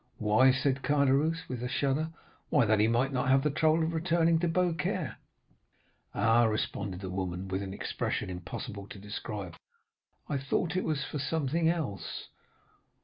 "'Why?' said Caderousse with a shudder; 'why, that he might not have the trouble of returning to Beaucaire.' "'Ah,' responded the woman, with an expression impossible to describe; 'I thought it was for something else.